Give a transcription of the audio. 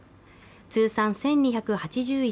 通算１２８１